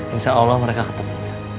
insya allah mereka ketemu